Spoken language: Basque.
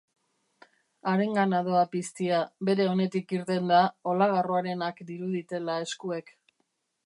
Harengana doa piztia, bere onetik irtenda, olagarroarenak diruditela eskuek.